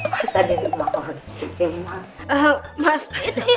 masa di rumah kucing